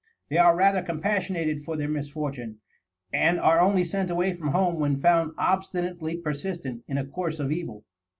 They are rather compassionated for their misfortune, and are only sent away from home when found obstinately persistent in a course of evil.